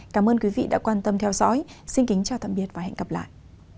cảm ơn quý vị đã quan tâm theo dõi xin kính chào tạm biệt và hẹn gặp lại